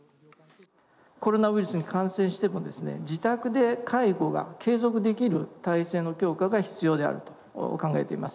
コロナウイルスに感染してもですね自宅で介護が継続できる体制の強化が必要であると考えています。